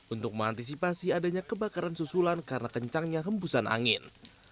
untuk mengantisipasi adanya kebakaran susulan karena kencangnya hembusan angin